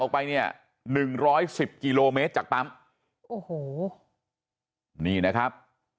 เอาไปเนี่ย๑๑๐กิโลเมตรจากปั๊มโอ้โหนี่นะครับ